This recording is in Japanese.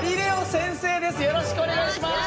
よろしくお願いします。